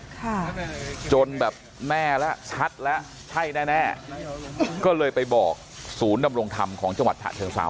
ค่ะจนแบบแม่ละชัดละใช่แน่แน่ก็เลยไปบอกศูนย์ดำลงทำของจังหวัดถะเทอร์เซา